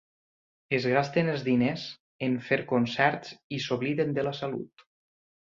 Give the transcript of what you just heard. Es gasten els diners en fer concerts i s'obliden de la salut.